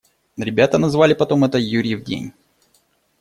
Ребята назвали потом это «Юрьев день».